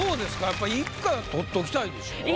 やっぱ１回は取っときたいでしょ？